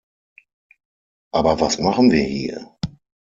Aber was machen wir hier?